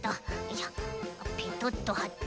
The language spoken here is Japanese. ペトッとはって。